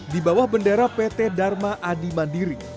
di bawah bendera pt dharma adi mandiri